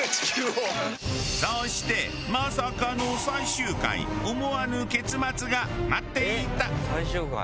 そしてまさかの最終回思わぬ結末が待っていた。